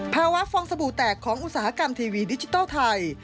ฟองสบู่แตกของอุตสาหกรรมทีวีดิจิทัลไทย